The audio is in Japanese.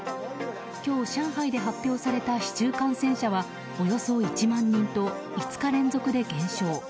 今日、上海で発表された市中感染者はおよそ１万人と５日連続で減少。